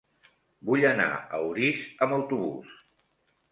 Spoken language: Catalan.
Vull anar a Orís amb autobús.